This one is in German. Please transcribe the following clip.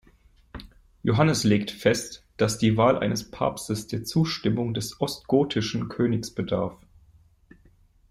Johannes legt fest, dass die Wahl eines Papstes der Zustimmung des ostgotischen Königs bedarf.